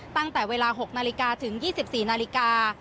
ตั้งแต่เวลา๖นาฬิกาถึง๒๔นาฬิกา